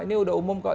ini udah umum kok